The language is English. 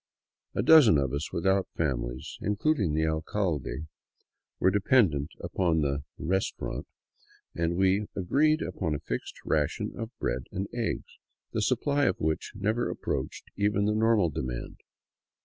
A dozen of us without families, including the alcalde, were dependent upon the " restaurant," and we agreed upon a fixed ration of bread and eggs, the supply of which never approached even the normal demand.